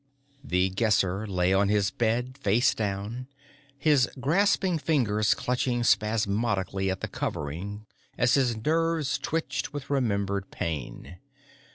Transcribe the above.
The Guesser lay on his bed, face down, his grasping fingers clutching spasmodically at the covering as his nerves twitched with remembered pain.